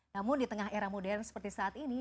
namun di tengah era modern seperti saat ini